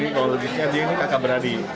ini kologinya dia ini kakak beradi